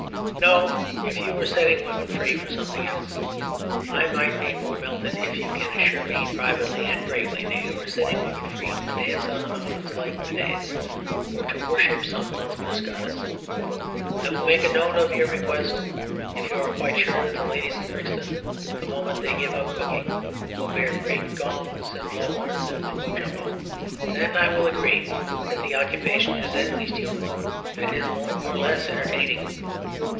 No; if you were setting women free for something else, I might be more melted. If you can assure me, privately and gravely, that you are setting women free to dance on the mountains like mænads, or to worship some monstrous goddess, I will make a note of your request. If you are quite sure that the ladies in Brixton, the moment they give up cooking, will beat great gongs and blow horns to Mumbo Jumbo, then I will agree that the occupation is at least human and is more or less entertaining.